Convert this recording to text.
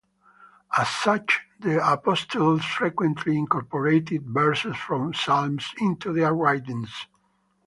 As such, the apostles frequently incorporated verses from Psalms into their writings.